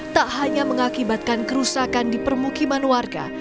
tak hanya mengakibatkan kerusakan di permukiman warga